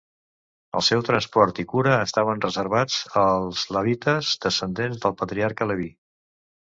El seu transport i cura estaven reservats als levites, descendents del patriarca Leví.